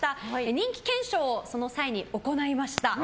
人気検証を、その際に行いました。